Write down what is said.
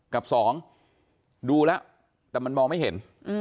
กับสองดูแล้วแต่มันมองไม่เห็น